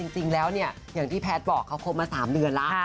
จริงแล้วเนี่ยอย่างที่แพทย์บอกเขาคบมา๓เดือนแล้ว